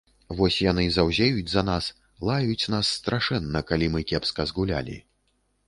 Вось яны заўзеюць за нас, лаюць нас страшэнна, калі мы кепска згулялі.